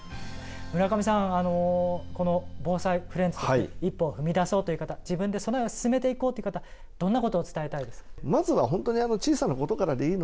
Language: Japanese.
村上さんあのこの防災フレンズとして一歩を踏み出そうという方自分で備えを進めていこうという方どんなことを伝えたいですか？